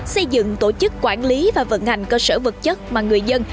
xây dựng tổ chức quản lý và vận hành cơ sở vật chất mà người dân